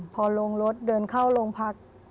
พอลงรถเดินเข้าโรงพัก